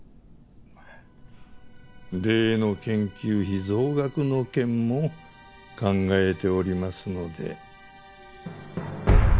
例の研究費増額の件も考えておりますので。